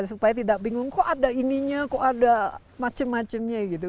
supaya tidak bingung kok ada ininya kok ada macam macamnya gitu